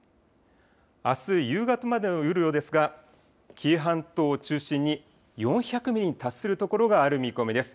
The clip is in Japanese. あす夕方までの雨量ですが、紀伊半島を中心に４００ミリに達する所がある見込みです。